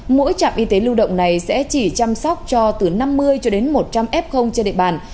mỗi trạm y tế lưu động này sẽ chỉ chăm sóc cho từ năm mươi cho đến một trăm linh f trên địa bàn